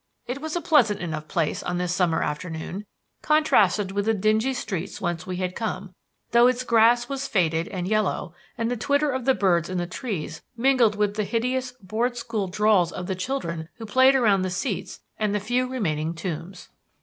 It was a pleasant enough place on this summer afternoon, contrasted with the dingy streets whence we had come, though its grass was faded and yellow and the twitter of the birds in the trees mingled with the hideous Board school drawls of the children who played around the seats and the few remaining tombs.